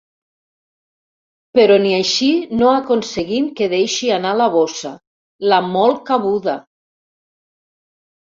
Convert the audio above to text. Però ni així no aconseguim que deixi anar la bossa, la molt cabuda.